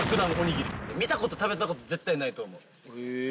見たこと食べたこと絶対ないと思う。